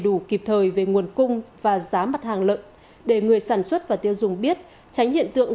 đủ kịp thời về nguồn cung và giá mặt hàng lợn để người sản xuất và tiêu dùng biết tránh hiện tượng